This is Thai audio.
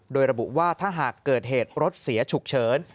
โดยระบุว่าถ้าหากเกิดเหตุรถเสียฉุกเฉิน